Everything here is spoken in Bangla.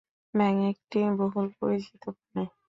ব্যাঙ একটি বহুল পরিচিত প্রাণী।